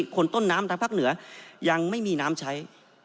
คนต้นน้ำทางภาคเหนือยังไม่มีน้ำใช้